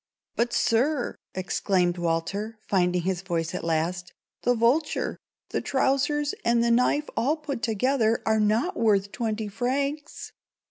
"But, Sir," exclaimed Walter, finding his voice at last, "the vulture, the trousers, and the knife all put together are not worth twenty francs!"